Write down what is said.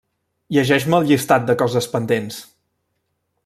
Llegeix-me el llistat de coses pendents.